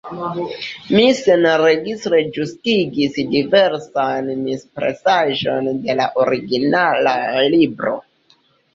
Mi senregistre ĝustigis diversajn mispresaĵojn de la originala libro.